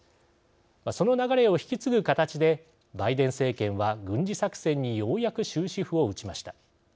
その流れを引き継ぐ形でバイデン政権は軍事作戦にようやく終止符を打ちました。